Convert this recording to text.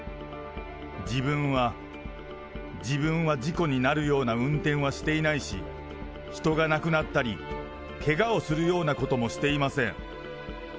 自分は、自分は事故になるような運転はしていないし、人が亡くなったり、けがをするようなこともしていません。